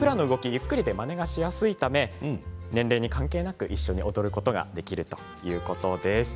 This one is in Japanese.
ゆっくりでまねがしやすいため年齢に関係なく一緒に踊ることができるということなんです。